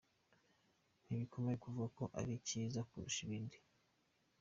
"Ntibikomeye kuvuga ko ari cyiza kurusha ibindi".